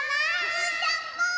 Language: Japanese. うーたんも！